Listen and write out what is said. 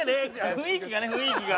雰囲気がね雰囲気が。